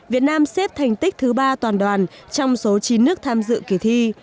việt nam xếp thành tích thứ ba toàn đoàn trong số chín nước tham dự kỳ thi